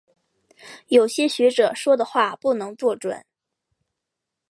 有些学者说的话不能做准。